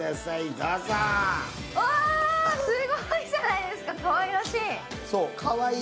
すごいじゃないですか、かわいらしい。